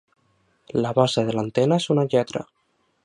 La base de l'antena és una lletra.